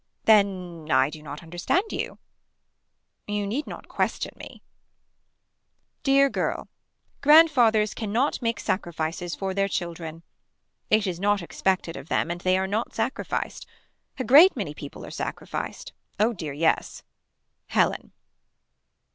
Then I do not understand you. You need not question me. Dear girl. Grandfathers can not make sacrifices for their children. It is not expected of them and they are not sacrificed. A great many people are sacrificed. Oh dear yes. Helen.